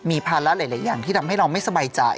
มีภาระหลายอย่างที่ทำให้เราไม่สบายใจ